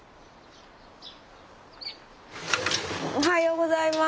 おはようございます。